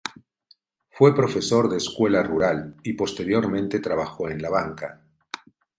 Fue profesor de escuela rural y posteriormente trabajó en la banca.